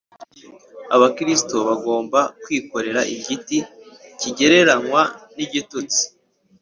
Abakristo bagomba kwikorera igiti kigereranywa n’igitutsi